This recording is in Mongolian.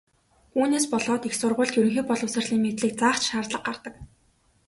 Үүнээс болоод их сургуульд ерөнхий боловсролын мэдлэг заах ч шаардлага гардаг.